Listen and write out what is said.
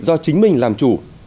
do chính mình làm chủ